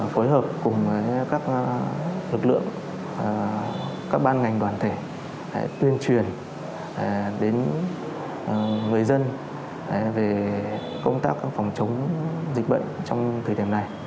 phối hợp cùng với các lực lượng các ban ngành đoàn thể tuyên truyền đến người dân về công tác phòng chống dịch bệnh trong thời điểm này